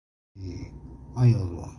ليل الهوى يقظان